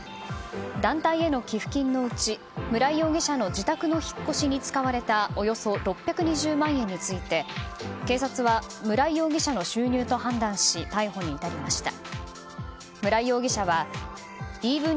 団体への寄付金のうち村井容疑者の自宅の引っ越しに使われたおよそ６２０万円について警察は村井容疑者の収入と判断し逮捕に至りました。